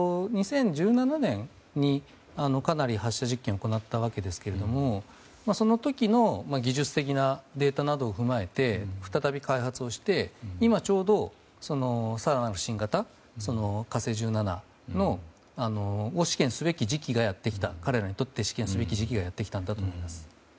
２０１７年にかなり発射実験を行ったわけですけどその時の技術的なデータなどを踏まえて再び開発をして今ちょうど、更なる新型の「火星１７号」を試験すべき時期がやってきた彼らにとって試験すべき時期がやってきたんだと思います。